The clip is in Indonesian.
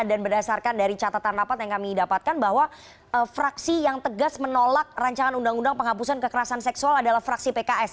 berdasarkan dari catatan rapat yang kami dapatkan bahwa fraksi yang tegas menolak rancangan undang undang penghapusan kekerasan seksual adalah fraksi pks